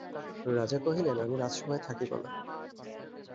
রাজা কহিলেন, আমি রাজসভায় থাকিব না।